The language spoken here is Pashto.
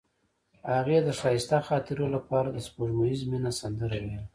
هغې د ښایسته خاطرو لپاره د سپوږمیز مینه سندره ویله.